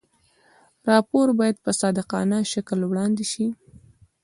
راپور باید په صادقانه شکل وړاندې شي.